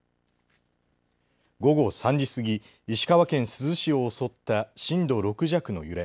午後３時過ぎ石川県珠洲市を襲った震度６弱の揺れ。